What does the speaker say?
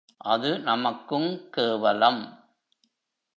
அது நமக்குங் கேவலம்.